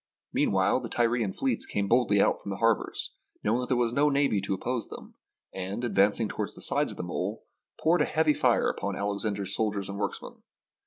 Meanwhile the Tyrian fleets came boldly out from the harbors, knowing that there was no navy to oppose them, and, advancing toward the sides of the mole, poured a heavy fire upon Alexander's sol diers and workmen.